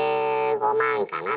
１５万かな？